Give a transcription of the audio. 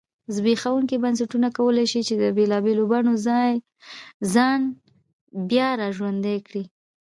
زبېښونکي بنسټونه کولای شي چې بېلابېلو بڼو ځان بیا را ژوندی کړی.